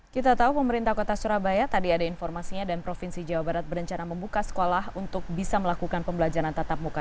kita tahu pemerintah kota surabaya tadi ada informasinya dan provinsi jawa barat berencana membuka sekolah untuk bisa melakukan pembelajaran tatap muka